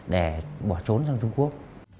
để bỏ trốn sang trung quốc